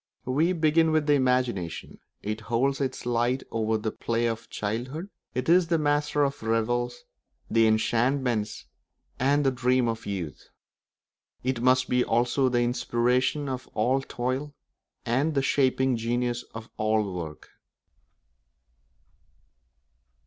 We begin with the imagination; it holds its light over the play of childhood; it is the master of the revels, the enchantments, and the dreams of youth; it must be also the inspiration of all toil and the shaping genius of all work.